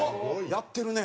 やってるね。